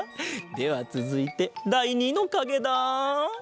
ではつづいてだい２のかげだ。